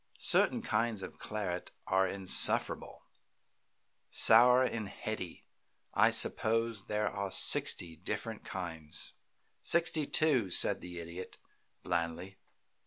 "Certain kinds of claret are insufferable sour and heady. I suppose there are sixty different kinds." "Sixty two," said the Idiot, blandly.